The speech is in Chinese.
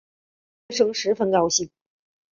杜月笙十分高兴。